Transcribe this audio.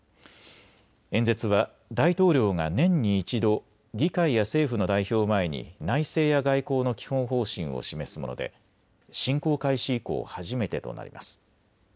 演説は大統領が年に一度、議会や政府の代表を前に内政や外交の基本方針を示すもので侵攻開始以降、初めてとなります。